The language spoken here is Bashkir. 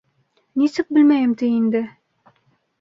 Нисек белмәйем ти инде!